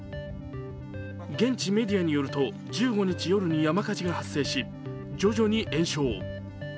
現地メディアによると、１５日夜に山火事が発生し、徐々に延焼。